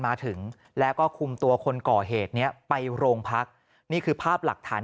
มาถึงแล้วก็คุมตัวคนก่อเหตุนี้ไปโรงพักนี่คือภาพหลักฐาน